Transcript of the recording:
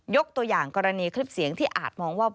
ตัวอย่างกรณีคลิปเสียงที่อาจมองว่า